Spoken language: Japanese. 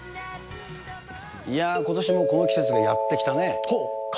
いやー、ことしもこの季節がやって来たね。